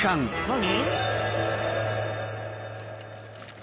何？